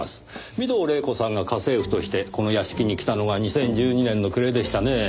御堂黎子さんが家政婦としてこの屋敷に来たのが２０１２年の暮れでしたねぇ。